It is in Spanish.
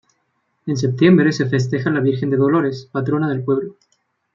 En septiembre se festeja la Virgen de Dolores, patrona del pueblo.